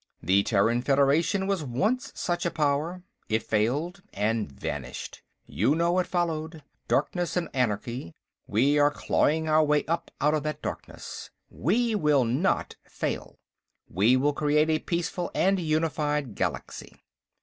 The Terran Federation was once such a power. It failed, and vanished; you know what followed. Darkness and anarchy. We are clawing our way up out of that darkness. We will not fail. We will create a peaceful and unified Galaxy."